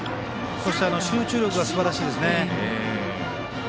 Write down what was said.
そして集中力がすばらしいですね。